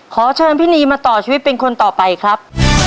ขอเชิญพี่นีมาต่อชีวิตเป็นคนต่อไปครับ